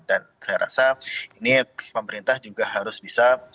dan saya rasa ini pemerintah juga harus bisa